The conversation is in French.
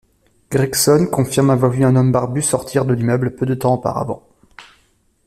Gregson confirme avoir vu un homme barbu sortir de l'immeuble peu de temps auparavant.